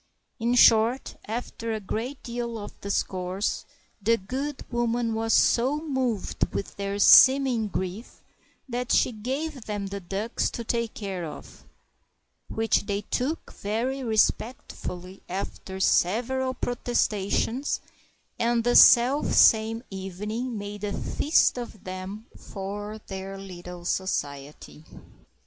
In short, after a great deal of discourse, the good woman was so moved with their seeming grief that she gave them the ducks to take care of; which they took very respectfully after several protestations, and the selfsame evening made a feast of them for their little society.